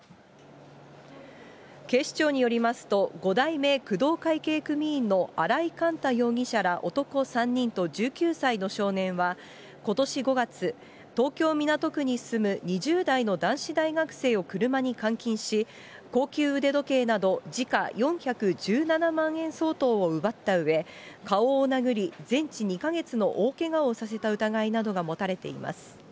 警視庁によりますと、５代目工藤会系組員の荒井幹太容疑者ら男３人と１９歳の少年は、ことし５月、東京・港区に住む２０代の男子大学生を車に監禁し、高級腕時計など時価４１７万円相当を奪ったうえ、顔を殴り、全治２か月の大けがをさせた疑いなどが持たれています。